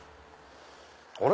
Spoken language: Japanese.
あれ？